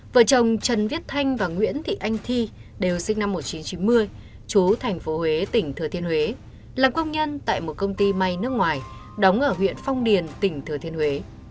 vợ chồng trần viết thanh và nguyễn thị anh thi đều sinh năm một nghìn chín trăm chín mươi chú thành phố huế tỉnh thừa thiên huế làm công nhân tại một công ty may nước ngoài đóng ở huyện phong điền tỉnh thừa thiên huế